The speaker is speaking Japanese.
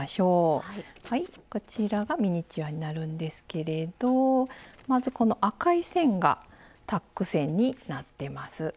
こちらがミニチュアになるんですけれどまずこの赤い線がタック線になってます。